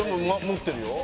持ってるよ。